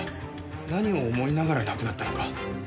何を思いながら亡くなったのか。